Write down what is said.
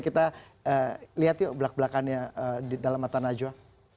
kita lihat yuk belak belakannya di dalam mata najwa